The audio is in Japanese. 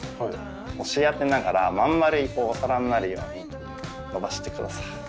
押し当てながら真ん丸いお皿になるようにのばしてください。